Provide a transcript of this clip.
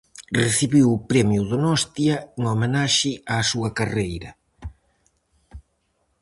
Recibiu o Premio Donostia en homenaxe á súa carreira.